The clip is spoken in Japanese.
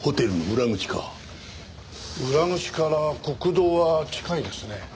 裏口から国道は近いですね。